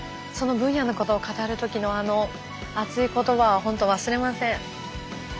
その分野のことを語る時のあの熱い言葉はほんと忘れません。